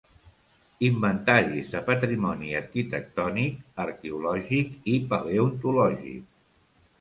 Inventaris de patrimoni arquitectònic, arqueològic i paleontològic.